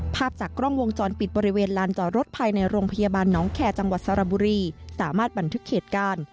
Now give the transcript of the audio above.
ภาพจากกล้องวงจรปิดบริเวณลานจอดรถภายในโรงพยาบาลน้องแคร์จังหวัดสระบุรีสามารถบันทึกเหตุการณ์